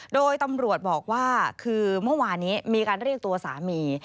โดยตำรวจบอกว่าคือเมื่อวานนี้มีการเรียกตัวสามี